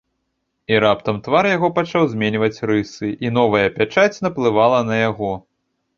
І раптам твар яго пачаў зменьваць рысы, і новая пячаць наплывала на яго.